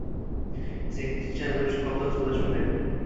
Seningcha nima uchun koptok suvda cho‘kmaydi?